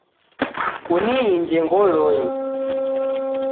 Kuniinje ngolonyi